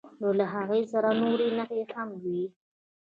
نو له هغې سره نورې نښې هم وي.